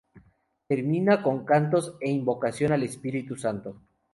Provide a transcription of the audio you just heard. Termina con cantos e invocación al Espíritu Santo.